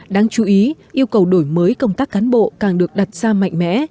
đáng chú ý yêu cầu đổi mới công tác cán bộ càng được đặt ra mạnh mẽ